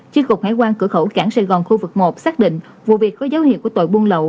chi cục hải quan cửa khẩu cảng sài gòn khu vực một xác định vụ việc có dấu hiệu của tội buôn lậu